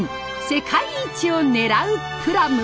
世界一をねらうプラム。